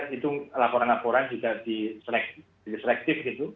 itu laporan laporan juga diselektif gitu